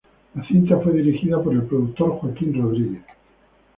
La cinta fue dirigida por el productor Joaquín Rodriguez.